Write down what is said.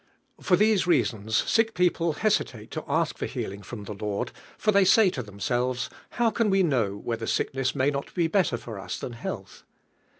For these reasons sick people hestitate to ask for healing from the Lord; for they say to themselves, How can we know Whether sickness may not be better for us than health?